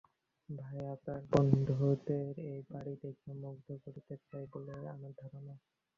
ভাইয়া তার বন্ধুদের এই বাড়ি দেখিয়ে মুগ্ধ করতে চায় বলেই আমার ধারণা।